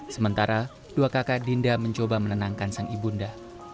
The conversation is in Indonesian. sementara dua kakak dinda mencoba menenangkan sang ibunda